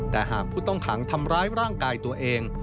แต่หากผู้ต้องขังทำร้ายร่างกายตัวเอง